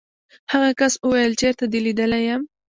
هغه کس وویل چېرته دې لیدلی یم.